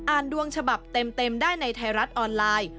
อ่านดวงฉบับเต็มได้ในไทรัศน์ออนไลน์